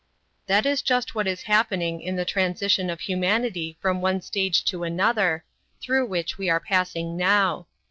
That is just what is happening in the transition of humanity from one stage to another, through which we are passing now.